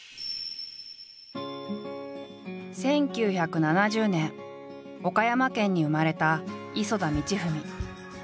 １９７０年岡山県に生まれた磯田道史。